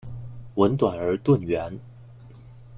吻短而钝圆。